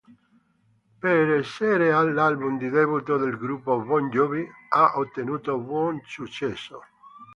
Per essere l'album di debutto del gruppo, "Bon Jovi" ha ottenuto buon successo.